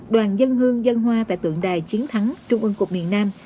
đoàn dân hương dân hoa tại tượng đài chiến thắng trung ương cục miền nam